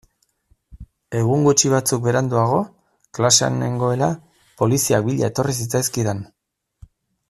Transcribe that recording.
Egun gutxi batzuk beranduago, klasean nengoela, poliziak bila etorri zitzaizkidan.